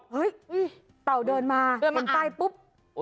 เฮ้ยเต่าเดินมาเข้าที่ป้ายปุ๊บ